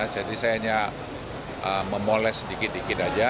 jadi saya hanya memoles sedikit sedikit saja